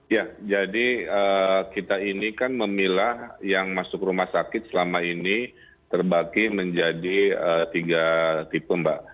ya jadi kita ini kan memilah yang masuk rumah sakit selama ini terbagi menjadi tiga tipe mbak